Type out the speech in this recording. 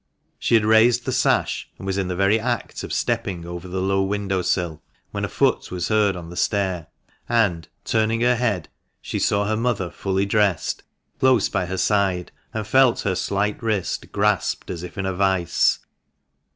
She had raised the sash, and was in the very act of stepping over the low window sill, when a foot was heard on the stair, and, turning her head, she saw her mother fully dressed, close by her side, and felt her slight wrist grasped as in a vice.